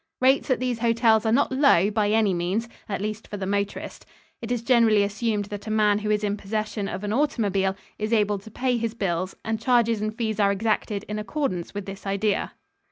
Rates at these hotels are not low by any means at least for the motorist. It is generally assumed that a man who is in possession of an automobile is able to pay his bills, and charges and fees are exacted in accordance with this idea.